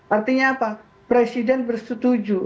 artinya apa presiden bersetuju